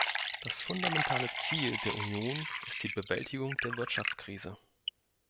Das fundamentale Ziel der Union ist die Bewältigung der Wirtschaftskrise.